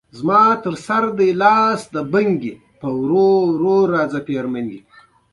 له هغه څخه یې شپېته لکه کلدارې طلب کړې.